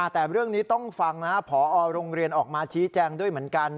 แต่เรื่องนี้ต้องฟังนะพอโรงเรียนออกมาชี้แจงด้วยเหมือนกัน